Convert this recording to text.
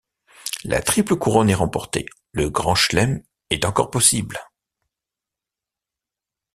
La triple couronne est remporté, le Grand Chelem est encore possible.